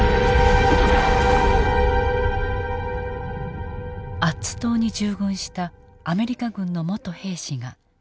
アッツ島に従軍したアメリカ軍の元兵士が存命だった。